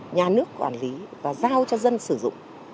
nhà nước quản lý và giao cho dân sử dụng